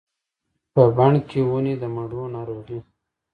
په بڼ کې ونې د مڼو، ناروغې